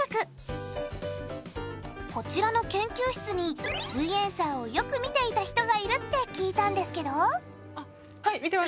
こちらの研究室に「すイエんサー」をよく見ていた人がいるって聞いたんですけど？